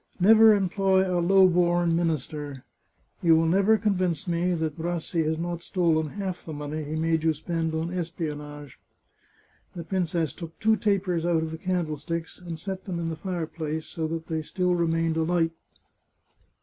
Never employ a low born minister ! You will never convince me that Rassi has not stolen half the money he made you spend on espionage." The princess took two tapers out of the candlesticks, and set them in the fireplace, so that they still remained alight.